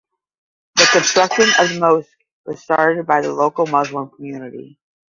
The construction of the mosque was started by the local Muslim community.